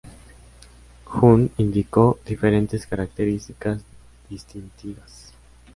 Hunt indicó diferentes características distintivas.